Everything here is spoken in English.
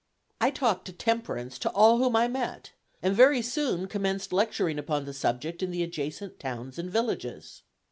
I talked temperance to all whom I met, and very soon commenced lecturing upon the subject in the adjacent towns and villages.